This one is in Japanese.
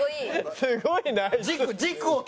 すごいな。